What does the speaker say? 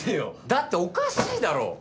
だっておかしいだろ？